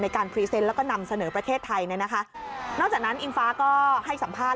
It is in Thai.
การพรีเซนต์แล้วก็นำเสนอประเทศไทยเนี่ยนะคะนอกจากนั้นอิงฟ้าก็ให้สัมภาษณ